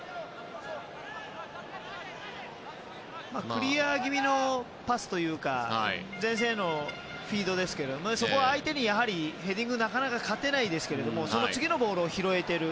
クリア気味のパスというか前線へのフィードですけどもそこは相手にヘディングでなかなか勝てないですけどその次のボールを拾えている。